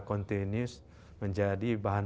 kontinus menjadi bahan